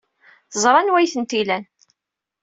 Teẓra anwa ay tent-ilan.